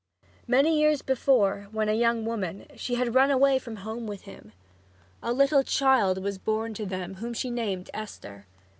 Many years before, when a young woman, she had run away from home with him. A little child was born to them whom she named Esther.